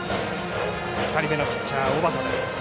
２人目のピッチャー、小畠です。